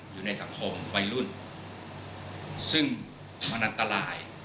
อยู่ในสังคมวัยรุ่นซึ่งมันอันตราย